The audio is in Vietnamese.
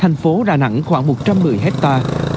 thành phố đà nẵng khoảng một trăm một mươi hectare